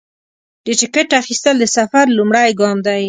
د ټکټ اخیستل د سفر لومړی ګام دی.